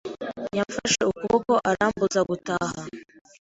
Yamfashe ukuboko arambuza gutaha.